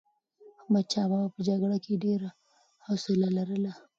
احمدشاه بابا په جګړه کې ډېر حوصله لرله.